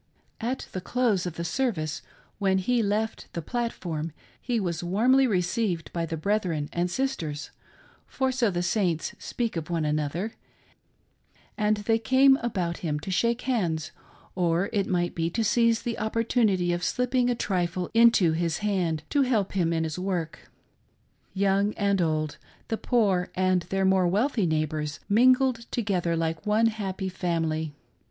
At the close of the service, when he left the platform, he was warmly received by the brethren and sisters, for so the Saints speak of one another, and they came about him to shake hands, or it mfght be to seize the opportunity of slip ping a trifle into his hand to help him in his work. Young and old, the poor and their more wealthy neighbors mingled together like one happy family.